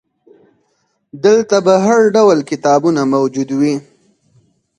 دلته به هرډول کتابونه موجود وي.